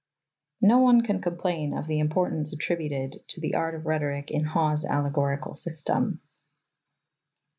No one can complain of the importance attributed to the art of rhetoric in Hawes' allegorical system.